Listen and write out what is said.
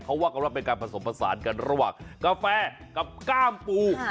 เขาว่ากันว่าเป็นการผสมผสานกันระหว่างกาแฟกับก้ามปู